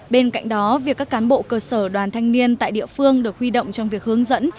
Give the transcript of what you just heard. bên cạnh đó việc các cán bộ cơ sở đoàn thanh niên tại địa phương được huy động trong việc hướng dẫn